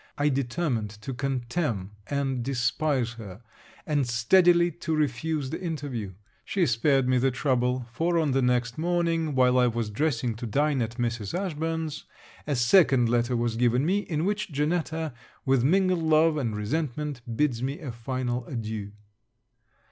I determined to contemn and despise her; and steadily to refuse the interview. She spared me the trouble; for, on the next morning, while I was dressing to dine at Mrs. Ashburn's, a second letter was given me, in which Janetta, with mingled love and resentment, bids me a final adieu.